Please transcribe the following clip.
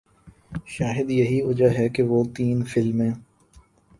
شاید یہی وجہ ہے کہ وہ تین فلمیں